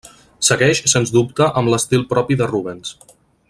Segueix sens dubte amb l'estil propi de Rubens.